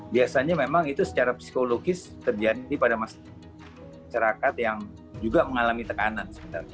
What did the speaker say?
biasanya memang itu secara psikologis terjadi pada masyarakat yang juga mengalami tekanan